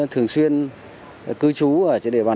thường xuyên cư trú ở trên địa bàn